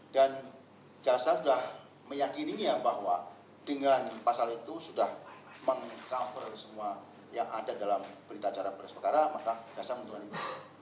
dan jasa sudah meyakini bahwa dengan pasal itu sudah meng cover semua yang ada dalam berita acara beras pekara maka jasa keuntungan itu